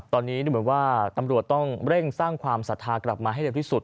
ตอนนี้ดูเหมือนว่าตำรวจต้องเร่งสร้างความศรัทธากลับมาให้เร็วที่สุด